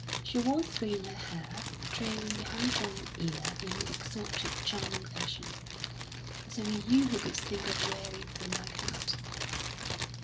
She wore three in her hair, trailing behind one ear in an exotic, charming fashion. "It's only you who could think of wearing them like that."